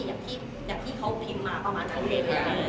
อยากที่เขาพิมพ์มาประมาณนั้นเลย